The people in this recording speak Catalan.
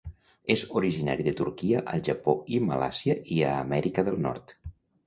És originari de Turquia al Japó i Malàisia i a Amèrica del Nord.